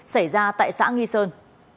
xảy ra tại xã nghi sơn